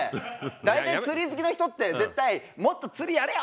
大体釣り好きの人って絶対もっと釣りやれよ！